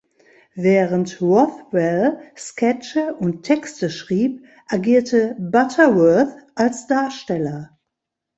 Während Rothwell Sketche und Texte schrieb, agierte Butterworth als Darsteller.